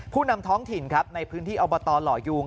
นำท้องถิ่นครับในพื้นที่อบตหล่อยูง